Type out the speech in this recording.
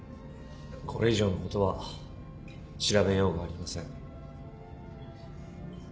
これ以上のことは調べようがありません。